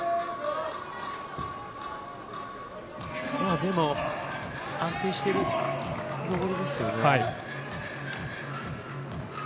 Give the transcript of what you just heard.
でも、安定している登りですよね。